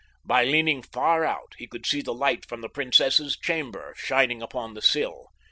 By leaning far out he could see the light from the princess's chamber shining upon the sill.